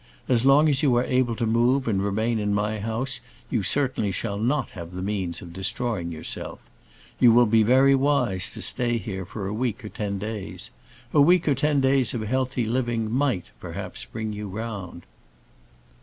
As long as you are able to move and remain in my house, you certainly shall not have the means of destroying yourself. You will be very wise to stay here for a week or ten days: a week or ten days of healthy living might, perhaps, bring you round."